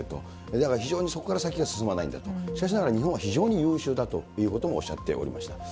だから非常にそこから先が進まないんだと、しかしながら日本は非常に優秀だということもおっしゃっていました。